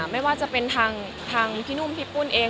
ไม่ว่าจะเป็นทางพี่นุ่มพี่ปุ้นเอง